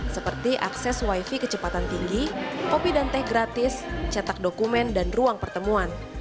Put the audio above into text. seperti akses wifi kecepatan tinggi kopi dan teh gratis cetak dokumen dan ruang pertemuan